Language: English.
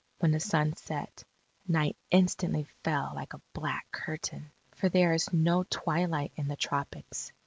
When the sun set, night instantly fell like a black curtain, for there is no twilight in the tropics.